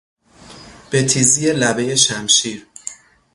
به تیزی لبهی شمشیر